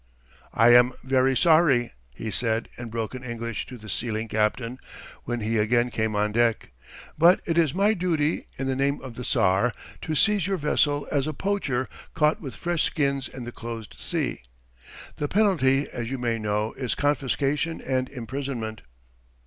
"I am very sorry," he said, in broken English to the sealing captain, when he again came on deck, "but it is my duty, in the name of the tsar, to seize your vessel as a poacher caught with fresh skins in the closed sea. The penalty, as you may know, is confiscation and imprisonment."